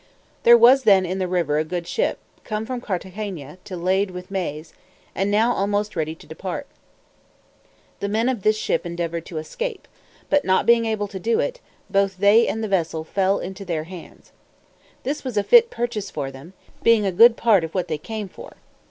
There was then in the river a good ship, come from Carthagena to lade with maize, and now almost ready to depart. The men of this ship endeavoured to escape; but, not being able to do it, both they and the vessel fell into their hands. This was a fit purchase for them, being good part of what they came for.